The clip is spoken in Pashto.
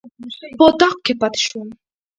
په اطاق کې پاتې شوم.